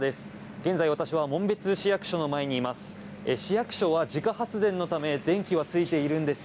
現在、私は紋別市役所の前にいます。